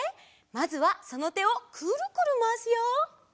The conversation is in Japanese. まずはそのてをくるくるまわすよ！